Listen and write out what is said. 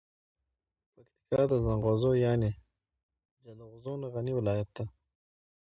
پکتیکا د زنغوزو یعنب جلغوزو نه غنی ولایت ده.